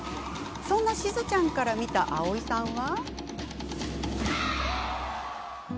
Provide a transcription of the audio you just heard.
そんな、しずちゃんから見た蒼井さんは。